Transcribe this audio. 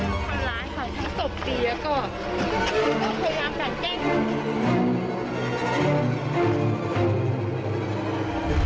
มีความร้ายขายทั้งศพตีแล้วก็มีความร้ายแบ่งเก้ง